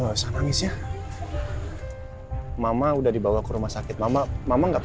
udah udah kayaknya nangis ya mama udah dibawa ke rumah sakit mama mama nggak